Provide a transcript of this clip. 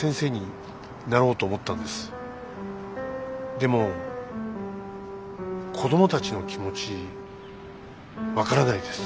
でも子供たちの気持ち分からないです。